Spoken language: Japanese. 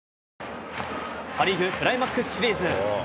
パ・リーグクライマックスシリーズ。